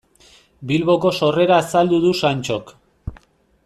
Bilboko sorrera azaldu du Santxok.